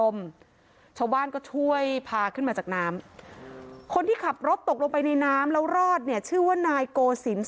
อำเภอมณโรม